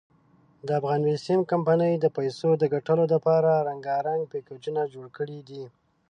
دافغان بېسیم کمپنۍ د پیسو دګټلو ډپاره رنګارنګ پېکېجونه جوړ کړي دي.